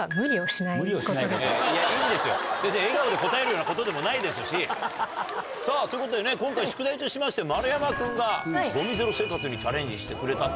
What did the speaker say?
笑顔で答えるようなことでもないですし。ということで今回宿題としまして丸山君がゴミゼロ生活にチャレンジしてくれたと。